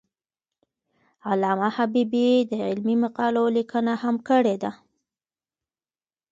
علامه حبیبي د علمي مقالو لیکنه هم کړې ده.